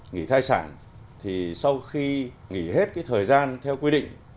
nghỉ thai sản thì sau khi nghỉ hết thời gian theo quy định